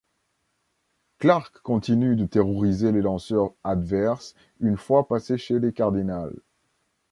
Clark continue de terroriser les lanceurs adverses une fois passé chez les Cardinals.